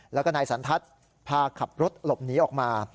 แล้วก็นายสันทัศน์พาขับรถหลบหนีออกมา